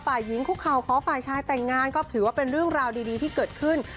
ฝ่ายหญิงคุกเข่าขอฝ่ายชายแต่งงานก็ถือว่าเป็นเรื่องราวดีที่เกิดขึ้น